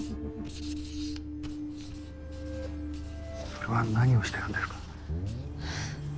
それは何をしてるんですか？